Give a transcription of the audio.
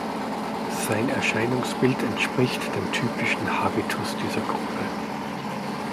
Sein Erscheinungsbild entspricht dem typischen Habitus dieser Gruppe.